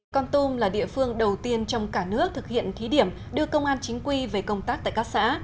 con tum là địa phương đầu tiên trong cả nước thực hiện thí điểm đưa công an chính quy về công tác tại các xã